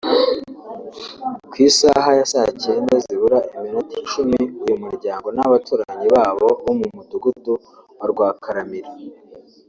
Ku isaha ya saa Cyenda zibura iminota icumi uyu muryango n’abaturanyi babo bo mu Mugudugu wa Rwakaramira